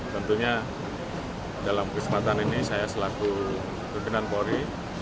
tentunya dalam kesempatan ini saya selaku pimpinan polri